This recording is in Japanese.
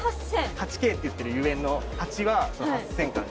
８Ｋって言っているゆえんの８は８，０００から。